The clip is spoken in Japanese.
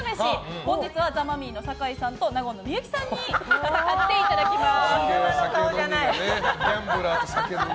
本日はザ・マミィの酒井さんと納言の幸さんに戦っていただきます。